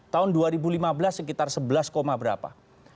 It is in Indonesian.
tahun dua ribu lima belas sekitar sebelas berapa